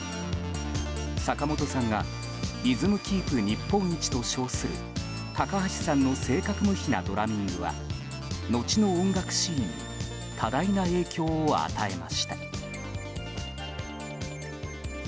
坂本さんがリズムキープ日本一と称する高橋さんの正確無比なドラミングは後の音楽シーンに多大な影響を与えました。